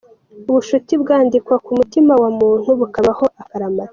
Ubushuti bwandikwa ku mutima wa muntu, bukabaho akaramata.